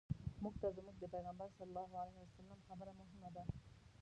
موږ ته زموږ د پیغمبر صلی الله علیه وسلم خبره مهمه ده.